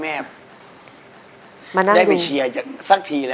มานั่งดูได้ไปเชียร์สักทีนะ